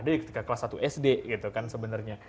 ada ya ketika kelas satu sd gitu kan sebenarnya